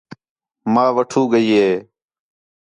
ماں وٹھو ڳئی ہِے